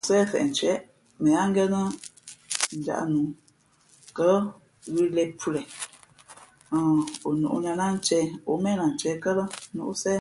Nzhi a cát , mbǐtūmά fōh kō tiê tαʼ.